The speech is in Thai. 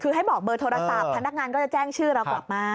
คือให้บอกเบอร์โทรศัพท์พนักงานก็จะแจ้งชื่อเรากลับมา